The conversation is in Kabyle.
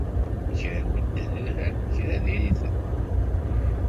Kra n medden lhan, kra diri-ten.